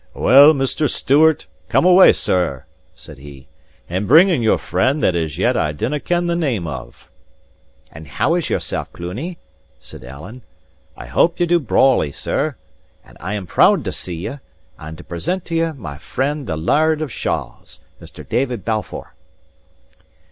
"Well, Mr. Stewart, come awa', sir!" said he, "and bring in your friend that as yet I dinna ken the name of." "And how is yourself, Cluny?" said Alan. "I hope ye do brawly, sir. And I am proud to see ye, and to present to ye my friend the Laird of Shaws, Mr. David Balfour."